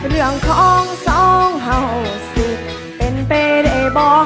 เรื่องของสองเห่าสิบเป็นเป็นไอบ่อ